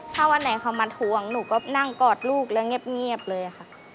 ถ้าวันไหนเขามาทวงหนูก็นั่งกอดลูกแล้วเงียบเลยค่ะ